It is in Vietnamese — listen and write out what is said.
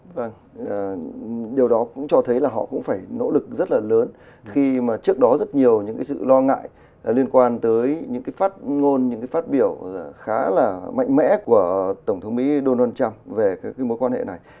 vâng điều đó cũng cho thấy là họ cũng phải nỗ lực rất là lớn khi mà trước đó rất nhiều những cái sự lo ngại liên quan tới những cái phát ngôn những cái phát biểu khá là mạnh mẽ của tổng thống mỹ donald trump về cái mối quan hệ này